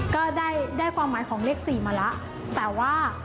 ก็ได้ความหมายของเลข๔มาแล้ว